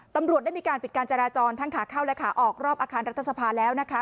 ตำรวจได้มีการปิดการจราจรทั้งขาเข้าและขาออกรอบอาคารรัฐสภาแล้วนะคะ